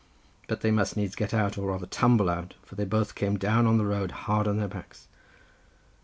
"But they must needs get out, or rather tumble out, for they both came down on the road hard on their backs.